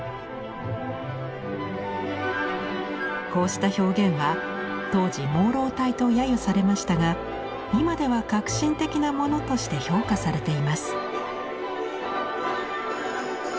こうした表現は当時「朦朧体」と揶揄されましたが今では革新的なものとして評価されています。